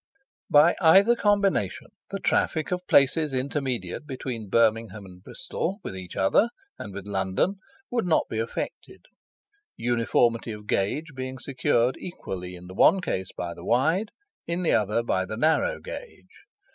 By either combination the traffic of places intermediate between Birmingham and Bristol with each other, and with London, would not be affected; uniformity of gauge being secured equally in the one case by the wide, in the other by the narrow gauge.